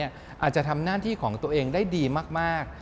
อาจจะทำหน้าที่ของตัวเองได้ดีมาก